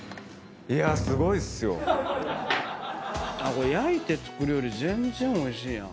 これ焼いて作るより全然おいしいやん。